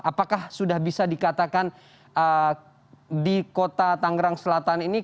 apakah sudah bisa dikatakan di kota tangerang selatan ini